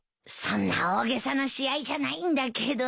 そんな大げさな試合じゃないんだけど。